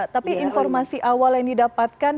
tapi informasi awal yang didapatkan